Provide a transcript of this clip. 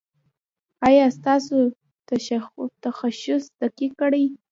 ایا ستاسو تشخیص دقیق دی؟